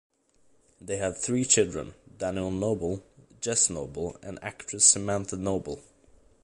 They have three children: Daniel Noble, Jess Noble and actress Samantha Noble.